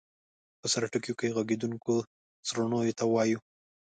په سرټکیو کې غږېدونکیو سورڼیو ته وایو.